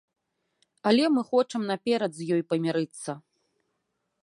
Але мы хочам наперад з ёй памірыцца!